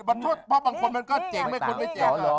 บางคนมันก็เจ๋งไม่คนไม่เจ๋ง